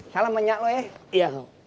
salam banyak lu ya